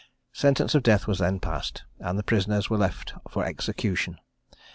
Sentence of death was then passed, and the prisoners were left for execution.